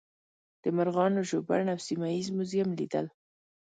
د مرغانو ژوبڼ او سیمه ییز موزیم لیدل.